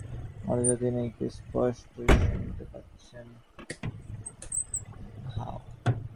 মেয়েটি নিজের ঘরে বসে হাসছে, অথচ তিনি কী স্পষ্ট শুনতে পাচ্ছেন!